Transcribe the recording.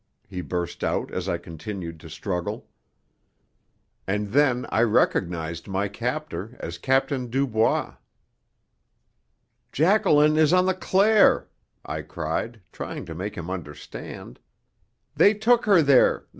he burst out as I continued to struggle. And then I recognized my captor as Captain Dubois. "Jacqueline is on the Claire!" I cried, trying to make him understand. "They took her there.